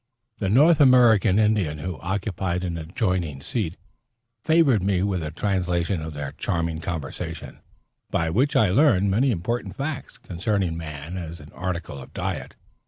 The North American Indian who occupied an adjoining seat, favored me with a translation of their charming conversation, by which I learned many important facts concerning man as an article of diet.